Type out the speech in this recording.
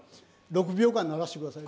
６秒間鳴らして下さい。